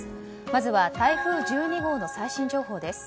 まずは台風１２号の最新情報です。